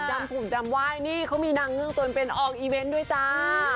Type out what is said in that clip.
ผมดำไหว้นี่เขามีนางเงื่อตนเป็นออกอีเวนต์ด้วยจ้า